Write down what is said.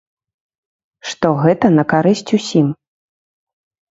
Што гэта на карысць усім.